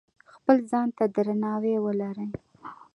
خپل ځان ته درناوی ولرئ.